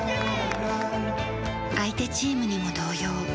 相手チームにも同様。